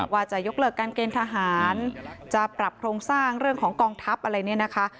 ว่าจะยกเลิกการเกณฑ์ทหารจะปรับโครงสร้างเรื่องของกองทัพอะไรเนี่ยนะคะ